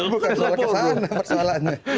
bukan soal kesalahan persoalannya